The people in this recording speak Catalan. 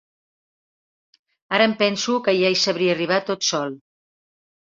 Ara em penso que ja hi sabria arribar tot sol.